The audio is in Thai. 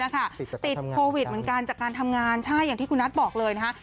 ติดโควิดเหมือนกันจากการทำงานใช่อย่างที่คุณนัทบอกเลยนะคะ